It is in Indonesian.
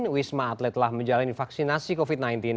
wisma atlet telah menjalani vaksinasi covid sembilan belas